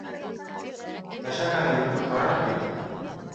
Тачанканы йөрөтөп ҡараныҡ бит.